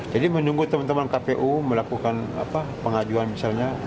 jadi menunggu teman teman kpu melakukan pengajuan misalnya